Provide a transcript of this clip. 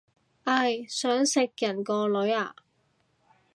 唉，想食人個女啊